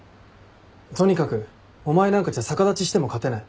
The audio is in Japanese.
とにかくお前なんかじゃ逆立ちしても勝てない。